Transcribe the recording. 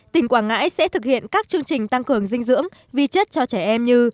tỉnh quảng ngãi sẽ thực hiện các chương trình tăng cường dinh dưỡng vi chất cho trẻ em như